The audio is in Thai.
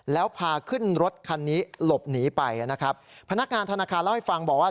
แล้วพาขึ้นรถคันนี้หลบหนีไปนะครับพนักงานธนาคารเล่าให้ฟังบอกว่า